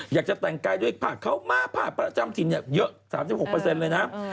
อยากจะแต่งกายด้วยผ้าเขามาผ้าประจำถิ่นเยอะ๓๖เลยนะ